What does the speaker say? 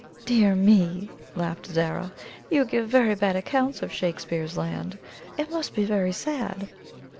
"Dear me!" laughed Zara; "you give very bad accounts of Shakespeare's land! It must be very sad!"